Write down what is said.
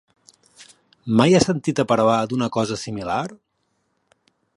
Mai has sentit a parlar d'una cosa similar?